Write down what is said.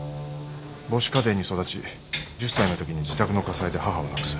母子家庭に育ち１０歳のときに自宅の火災で母を亡くす。